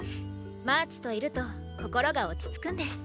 マーチといると心が落ち着くんです。